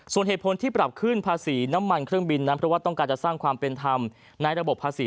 ส่วนเหตุผลที่ปรับขึ้นภาษีน้ำมันเครื่องบินนั้นเพราะว่าต้องการจะสร้างความเป็นธรรมในระบบภาษี